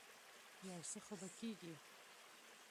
يو څه خو به کېږي.